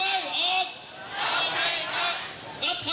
ประยุทธ์ไม่ออกเราไม่กลับ